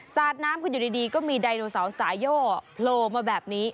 สาดน้ำกันอยู่ดีก็มีไดโนเสาร์สายโย่โผล่มาแบบนี้